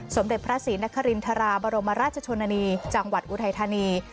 สมเด็จพระศรีนครินทราบรมราชชนนานีจังหวัดอุทัยธานี